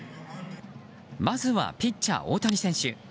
まずはピッチャー大谷選手。